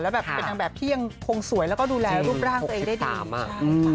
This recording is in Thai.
แบบเป็นนางแบบที่ยังคงสวยแล้วก็ดูแลรูปร่างตัวเองได้ดีมาก